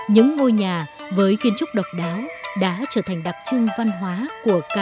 những ngôi nhà với kiến trúc độc đáo đã trở thành đặc trưng văn hóa của cả một tộc người